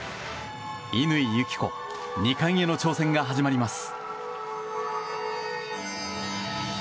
乾友紀子２冠への挑戦が始まります。